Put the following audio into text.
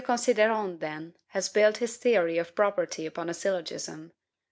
Considerant, then, has built his theory of property upon a syllogism.